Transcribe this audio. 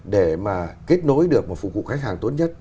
để mà kết nối được một phụ cụ khách hàng tốt nhất